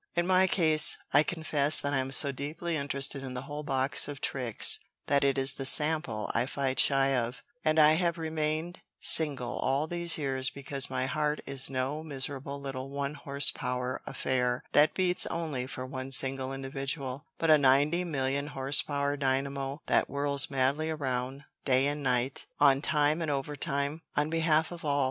In my case, I confess that I am so deeply interested in the whole box of tricks that it is the sample I fight shy of, and I have remained single all these years because my heart is no miserable little one horse power affair that beats only for one single individual, but a ninety million horse power dynamo that whirls madly around day and night, on time and overtime, on behalf of all.